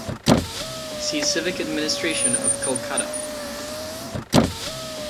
See Civic administration of Kolkata.